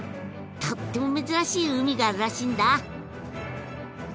とっても珍しい海があるらしいんだ！